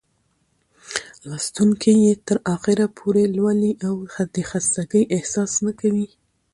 لوستونکى يې تر اخره پورې لولي او د خستګۍ احساس نه کوي.